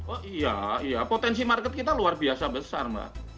oh iya iya potensi market kita luar biasa besar mbak